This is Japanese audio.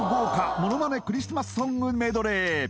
ものまねクリスマスソングメドレー